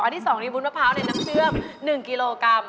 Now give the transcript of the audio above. อันที่สองมีบุญมะพร้าวในนักเชื้อม๑กิโลกรัม